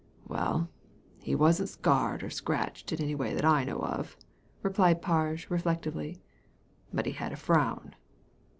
" Well, he wasn't scarred or scratched in any way that I know of," replied Parge, reflectively, " but he had a frown."